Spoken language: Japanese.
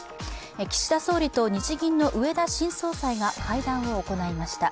岸田総理と日銀の植田新総裁が会談を行いました。